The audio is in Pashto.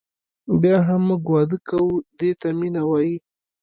بیا هم موږ واده کوو دې ته مینه وایي.